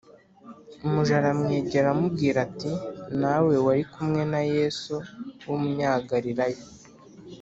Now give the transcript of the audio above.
umuja aramwegera aramubwira ati “Nawe wari kumwe na Yesu w’Umunyagalilaya.